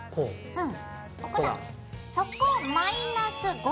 うん。